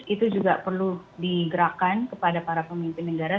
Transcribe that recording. itu juga perlu digerakkan kepada para pemimpin negara